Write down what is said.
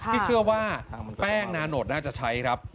ที่เชื่อว่าแป้งนาโนตน่าจะใช้ครับ